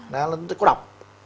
đó là nó có độc